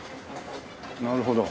なるほど。